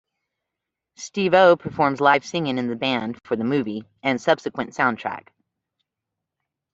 Stevo performs live singing in the band for the movie and subsequent soundtrack.